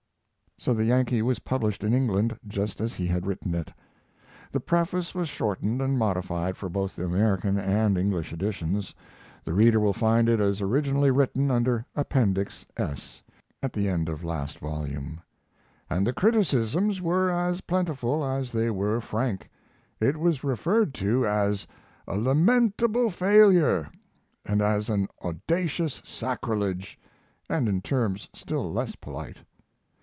So the Yankee was published in England just as he had written it, [The preface was shortened and modified for both the American and English editions. The reader will find it as originally written under Appendix S, at the end of last volume.] and the criticisms were as plentiful as they were frank. It was referred to as a "lamentable failure" and as an "audacious sacrilege" and in terms still less polite.